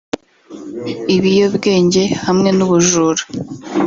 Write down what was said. ibiyobwenge hamwe n’ubujura